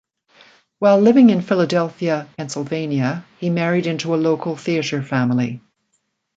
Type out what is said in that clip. While living in Philadelphia, Pennsylvania, he married into a local theatre family.